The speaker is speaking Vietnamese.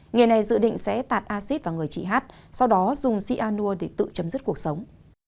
người này dự định sẽ tạt acid vào người chị hát sau đó dùng sianua để tự chấm dứt cuộc sống